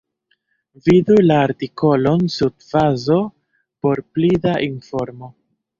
Vidu la artikolon sub fazo por pli da informo.